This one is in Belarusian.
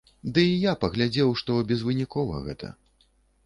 Ды і я паглядзеў, што безвынікова гэта.